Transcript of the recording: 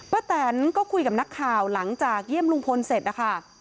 แตนก็คุยกับนักข่าวหลังจากเยี่ยมลุงพลเสร็จนะคะ